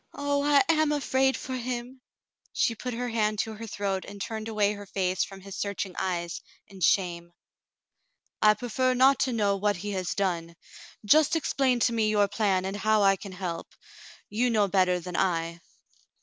"Oh, I am afraid for him." She put her hand to her throat and turned away her face from his searching eyes, in shame. "I prefer not to know what he has done. Just explain to me your plan, and how I can help. You know better than I."